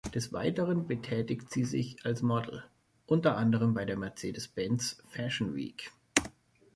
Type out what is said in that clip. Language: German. Des Weiteren betätigt sie sich als Model, unter anderem bei der Mercedes-Benz Fashion Week.